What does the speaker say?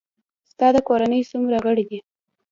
ستا د کورنۍ څومره غړي دي؟